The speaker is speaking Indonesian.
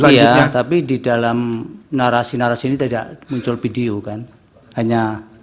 iya tapi di dalam narasi narasi ini tidak muncul video kan hanya